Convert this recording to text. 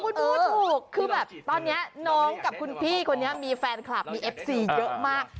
คุณพูดถูกคือแบบตอนนี้น้องกับคุณพี่คนนี้มีแฟนคลับมีเอฟซีเยอะมาก